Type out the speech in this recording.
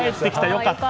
良かった。